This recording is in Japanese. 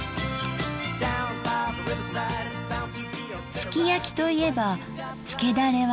すき焼きといえばつけだれは卵です。